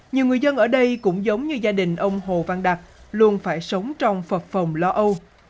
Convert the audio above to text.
nhiều người dân ở đây cũng giống như gia đình ông hồ văn đặt luôn phải sống trong phật phòng lo âu